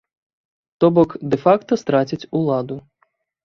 То-бок, дэ-факта страціць уладу.